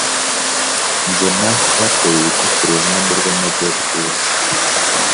Jye na twateye ibiti kuruhande rwamajyepfo yinzu.